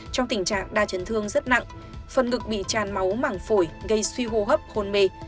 trong tình trạng đa chấn thương rất nặng phần ngực bị tràn máu màng phổi gây suy hô hấp khôn mê